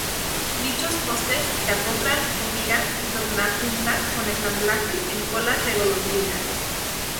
Dichos postes se acoplan con vigas y tornapuntas con ensamblajes en colas de golondrina.